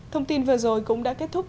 thông tin vừa rồi cũng đã kết thúc